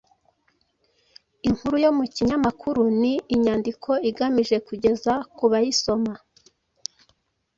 Inkuru yo mu kinyamakuru ni inyandiko igamije kugeza ku bayisoma